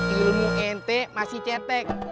ilmu ente masih cetek